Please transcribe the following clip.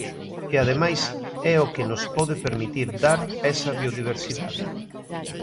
E ademais é o que nos pode permitir dar esa biodiversidade.